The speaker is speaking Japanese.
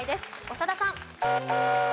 長田さん。